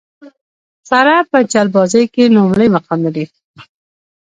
ساره په چلبازۍ کې لومړی مقام لري.